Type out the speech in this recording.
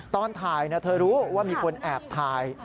ตอนถ่ายเธอรู้ว่ามีคนแอบถ่าย